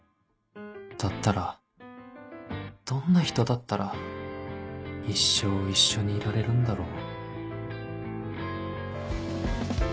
だったらどんな人だったら一生一緒にいられるんだろう？